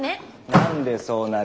何でそうなる。